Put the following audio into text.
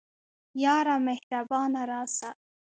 یاره مهربانه راسه